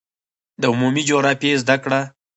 د عمومي جغرافیې زده کړه